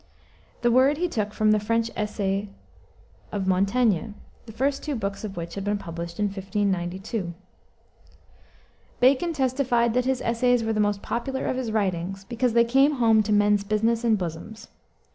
The word he took from the French essais of Montaigne, the first two books of which had been published in 1592. Bacon testified that his essays were the most popular of his writings because they "came home to men's business and bosoms."